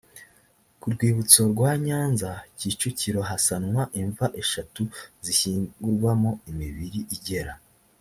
ku rwibutso rwa nyanza kicukiro hasanwa imva eshatu zishyingurwamo imibiri igera